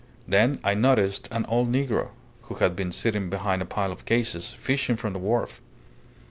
Then I noticed an old negro, who had been sitting behind a pile of cases, fishing from the wharf.